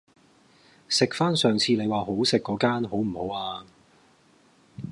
食返上次你話好食嗰間好唔好啊